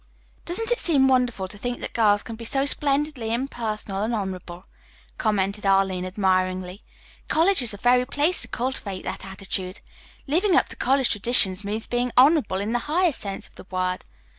"Doesn't it seem wonderful to think that girls can be so splendidly impersonal and honorable?" commented Arline admiringly. "College is the very place to cultivate that attitude. Living up to college traditions means being honorable in the highest sense of the word.